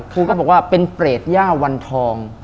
ครูก็บอกว่าเป็นเปรตย่าวันทอง